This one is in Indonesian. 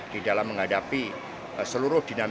di dalam menghadapi seluruh dinamika